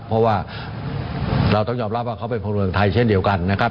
เพราะว่าเราต้องยอมรับว่าเขาเป็นคนเมืองไทยเช่นเดียวกันนะครับ